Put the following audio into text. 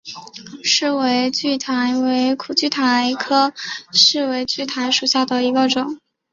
世纬苣苔为苦苣苔科世纬苣苔属下的一个种。